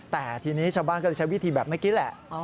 แต่ทีนี้ชาวบ้านก็เลยใช้วิธีแบบเมื่อกี้แหละ